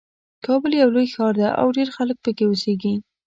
کابل یو لوی ښار ده او ډېر خلک پکې اوسیږي